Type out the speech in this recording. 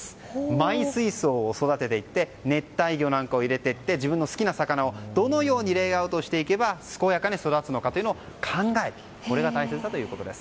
マイ水槽を育てていって熱帯魚なんかを入れていって自分の好きな魚をどのようにレイアウトしていけば健やかに育つのかというのを考えることが大切だというんです。